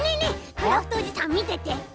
クラフトおじさんみてて。